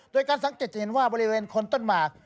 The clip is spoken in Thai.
โดยการสังเกตจะเห็นว่าบริเวณคนต้นหมาก